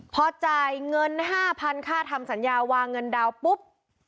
พอจ่ายเงิน๕๐๐๐ค่าทำสัญญาวางเงินดาวปุ๊บ